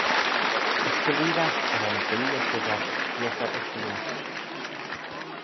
As çhelleeragh ren y billey figgagh fioghey ersooyl.